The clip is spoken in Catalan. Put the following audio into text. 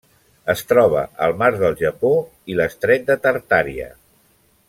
Es troba al mar del Japó i l'estret de Tartària.